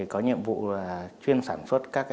có nhiệm vụ chuyên sản xuất các loại